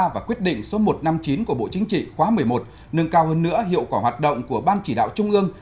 và quyết định số một trăm năm mươi chín của bộ chính trị khóa một mươi một nâng cao hơn nữa hiệu quả hoạt động của ban chỉ đạo trung ương